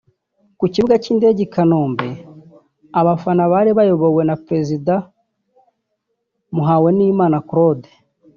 Ku kibuga cy’indege i Kanombe abafana bari bayobowe na perezida Muhawenimana Claude